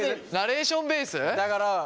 ナレーションベース？だから。